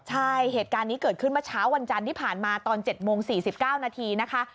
ใช่เหตุการณ์นี้เกิดขึ้นเมื่อเช้าวันจันทร์ที่ผ่านมาตอน๗โมง๔๙นาทีนะคะ